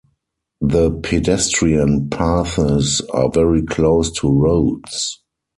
The pedestrian paths are very close to roads.